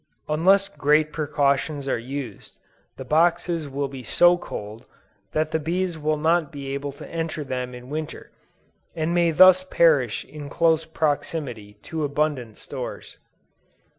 Unless great precautions are used, the boxes will be so cold, that the bees will not be able to enter them in Winter, and may thus perish in close proximity to abundant stores.